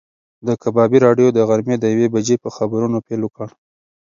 د کبابي راډیو د غرمې د یوې بجې په خبرونو پیل وکړ.